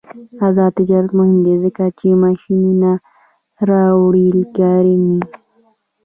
آزاد تجارت مهم دی ځکه چې ماشینونه راوړي کرنې.